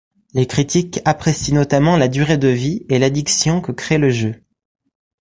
Les critiques apprécient notamment la durée de vie et l'addiction que crée le jeu.